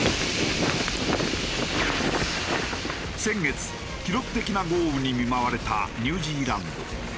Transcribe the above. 先月記録的な豪雨に見舞われたニュージーランド。